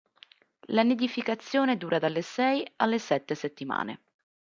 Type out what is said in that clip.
La nidificazione dura dalle sei alle sette settimane.